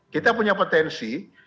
kita punya potensi